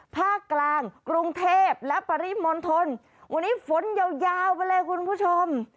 ภาคกลางกรุงเทพและปริมณฑลวันนี้ฝนยาวยาวไปเลยคุณผู้ชม